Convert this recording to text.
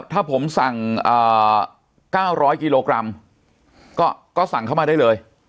ถ้าผมสั่ง๙๐๐กิโลกรัมก็สั่งเข้ามาได้เลย